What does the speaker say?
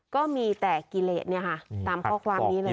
ก็มีแต่กิเลสตามข้อความนี้เลย